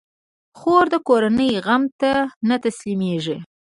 خور د کورنۍ غم ته نه تسلېږي.